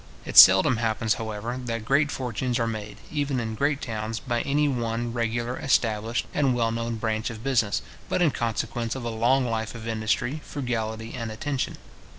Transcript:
It seldom happens, however, that great fortunes are made, even in great towns, by any one regular, established, and well known branch of business, but in consequence of a long life of industry, frugality, and attention.